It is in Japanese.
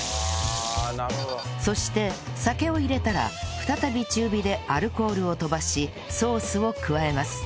そして酒を入れたら再び中火でアルコールを飛ばしソースを加えます